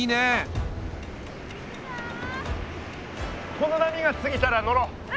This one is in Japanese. この波がすぎたら乗ろう。